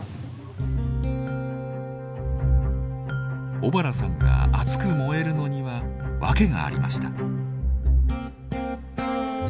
小原さんが熱く燃えるのには訳がありました。